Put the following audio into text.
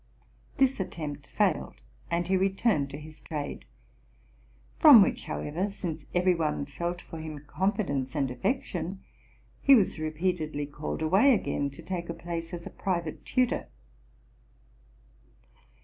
This attempt failed; and he returned to his trade, from which, however, since every one felt for him confidence and affection, he was repeatedly called away, again to take a place as private tutor.